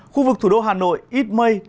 khu vực thủ đô hà nội ít mây